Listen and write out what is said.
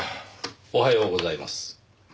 おはようございます。